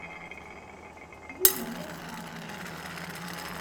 Wid ara iqqerṣen.